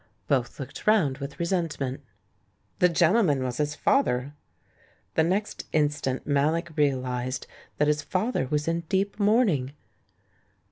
Both looked round with resentment. The gentleman was his father. The next instant ISIallock realised that his father was in deep mourning.